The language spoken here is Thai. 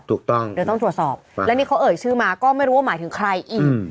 ถูกต้องเดี๋ยวต้องตรวจสอบและนี่เขาเอ่ยชื่อมาก็ไม่รู้ว่าหมายถึงใครอีก